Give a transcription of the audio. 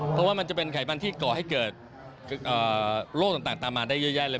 เพราะว่ามันจะเป็นไขมันที่ก่อให้เกิดโรคต่างตามมาได้เยอะแยะเลย